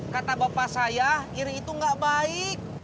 kata bapak saya iri itu gak baik